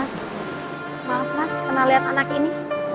mas maaf mas pernah liat anak ini